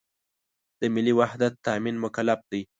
د ملي وحدت تأمین مکلف دی.